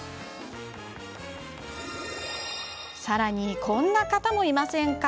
さらに、こんな方もいませんか？